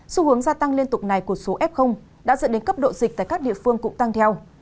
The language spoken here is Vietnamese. xu hướng gia tăng liên tục này của số f đã dẫn đến cấp độ dịch tại các địa phương cũng tăng theo